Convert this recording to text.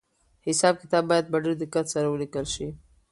حساب کتاب باید په ډېر دقت سره ولیکل شي.